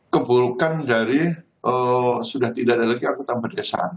kebulkan dari sudah tidak ada lagi anggota perdesaan